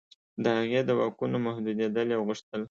د هغې د واکونو محدودېدل یې غوښتل.